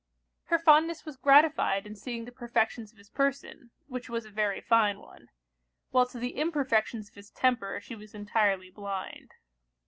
Her fondness was gratified in seeing the perfections of his person, (which was a very fine one) while to the imperfections of his temper she was entirely blind.